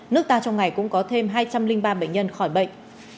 nước ta trong ngày cũng có thêm hai trăm linh ba bệnh nhân khỏi bệnh